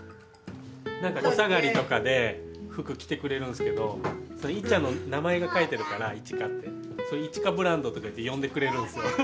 何かお下がりとかで服着てくれるんすけどいっちゃんの名前が書いてるから「いちか」って。それいちかブランドとかって呼んでくれるんすよ。